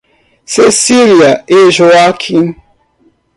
Cecília e Joaquim